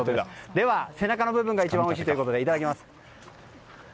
では、背中の部分が一番おいしいということでいただきます。